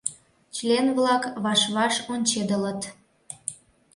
Член-влак ваш-ваш ончедылыт.